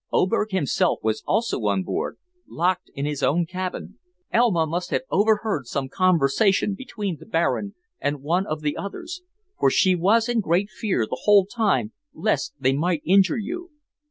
Oberg himself was also on board, locked in his own cabin. Elma must have overheard some conversation between the Baron and one of the others, for she was in great fear the whole time lest they might injure you.